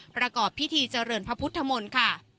ประกอบพิธีเจริญพระพุทธมนตร์ค่ะ